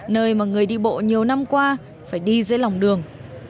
nơi mà người đi bộ nhiều năm qua phải đi dưới lòng đường